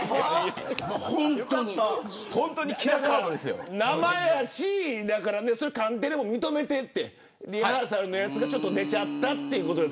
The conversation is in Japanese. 生放送やし関テレも認めていてリハーサルのやつが出ちゃったということで。